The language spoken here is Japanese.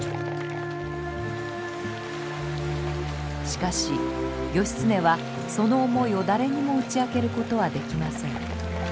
しかし義経はその思いを誰にも打ち明けることはできません。